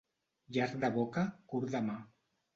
Llarg de boca, curt de mà.